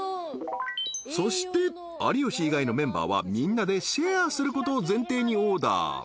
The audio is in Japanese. ［そして有吉以外のメンバーはみんなでシェアすることを前提にオーダー］